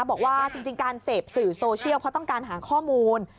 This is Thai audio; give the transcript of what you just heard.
บอกว่าจริงการเสพสื่อโซเชียลเพราะต้องการหาข้อมูล